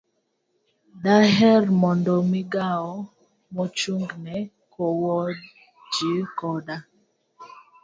Daher mondo Migawo Mochung'ne Kowo Ji Koda